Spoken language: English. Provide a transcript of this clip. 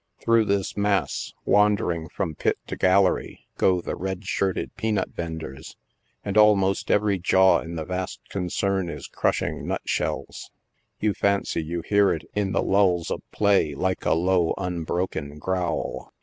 Through this mass, wandering from pit to gallery, go the red shirted pea nut venders, and almost every jaw in the vast concern is crushing nut shells. You fancy you hear it in the lulls of play like a low unbroken growl.